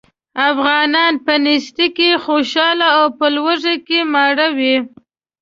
افغانان په نېستۍ کې خوشاله او په لوږه کې ماړه وو.